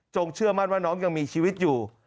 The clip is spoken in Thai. เชื่อมั่นว่าน้องยังมีชีวิตอยู่